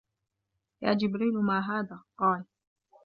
يَا جِبْرِيلُ مَا هَذَا قَالَ